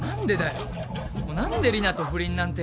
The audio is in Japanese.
何で里奈と不倫なんて。